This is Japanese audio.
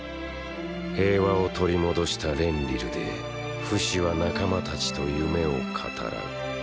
平和を取り戻したレンリルでフシは仲間たちと夢を語らう。